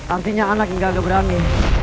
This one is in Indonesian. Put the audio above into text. artinya anak yang gagal berani